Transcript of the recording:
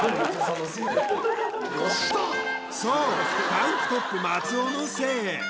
タンクトップ松尾のせい